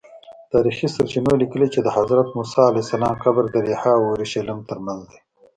تاریخي سرچینو لیکلي چې د حضرت موسی قبر د ریحا او اورشلیم ترمنځ دی.